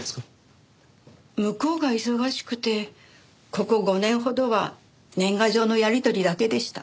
向こうが忙しくてここ５年ほどは年賀状のやりとりだけでした。